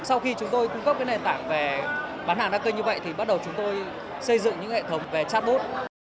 sau khi chúng tôi cung cấp nền tảng về bán hàng đa kênh như vậy thì bắt đầu chúng tôi xây dựng những hệ thống về chatbot